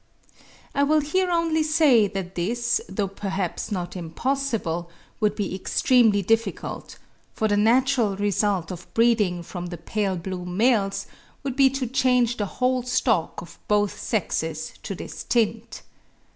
I will here only say, that this, though perhaps not impossible, would be extremely difficult; for the natural result of breeding from the pale blue males would be to change the whole stock of both sexes to this tint.